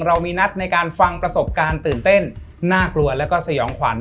เรามีนัดในการฟังประสบการณ์ตื่นเต้นน่ากลัวแล้วก็สยองขวัญ